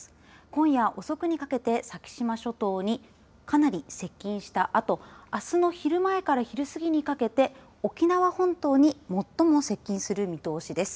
今夜遅くにかけて先島諸島にかなり接近したあとあすの昼前から昼過ぎにかけて沖縄本島に最も接近する見通しです。